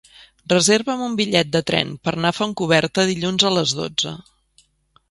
Reserva'm un bitllet de tren per anar a Fontcoberta dilluns a les dotze.